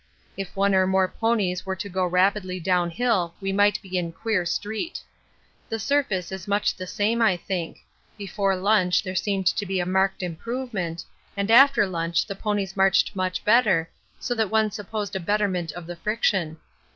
If one or more ponies were to go rapidly down hill we might be in queer street. The surface is much the same I think; before lunch there seemed to be a marked improvement, and after lunch the ponies marched much better, so that one supposed a betterment of the friction.